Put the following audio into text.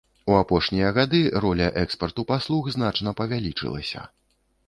У апошнія гады роля экспарту паслуг значна павялічылася.